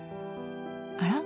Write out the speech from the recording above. あら？